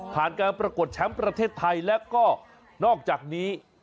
การประกวดแชมป์ประเทศไทยและก็นอกจากนี้